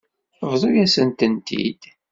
Bḍu-yasent-tent-id.